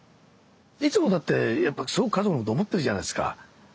いつもだってやっぱすごく家族のこと思ってるじゃないですか。